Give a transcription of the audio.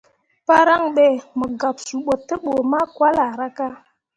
Paran be, mo gab suu bo tebǝ makolahraka.